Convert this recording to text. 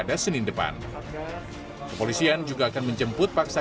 ya penyidikan status sekarang penyidikan